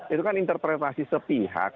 itu kan interpretasi sepihak